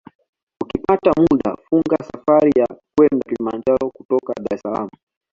Ukipata muda funga safari ya kwenda Kilimanjaro kutoka Dar es Salaam